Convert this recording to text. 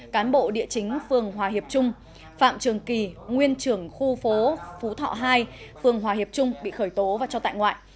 cán bộ địa chính phường hòa hiệp trung phạm trường kỳ nguyên trưởng khu phố phú thọ hai phường hòa hiệp trung bị khởi tố và cho tại ngoại